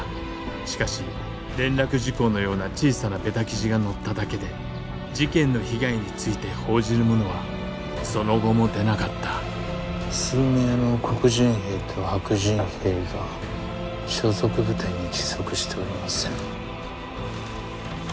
しかし連絡事項のような小さなベタ記事が載っただけで事件の被害について報じるものはその後も出なかった「数名の黒人兵と白人兵が所属部隊に帰属しておりません」。